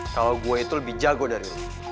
kalau gue itu lebih jago dari